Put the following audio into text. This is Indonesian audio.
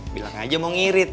bilang aja mau ngirit